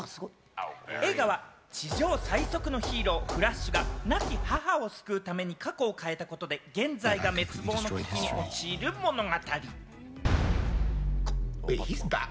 映画は地上最速のヒーロー・フラッシュが亡き母を救うために過去を変えたことで、現在が滅亡の危機に陥る物語。